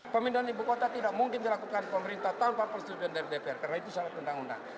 pemindahan ibu kota tidak mungkin dilakukan pemerintah tanpa persetujuan dari dpr karena itu syarat undang undang